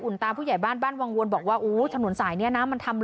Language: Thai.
อุ่นตามผู้ใหญ่บ้านบ้านวางวนบอกว่าอู๋ถนนสายเนี้ยน้ำมันทำ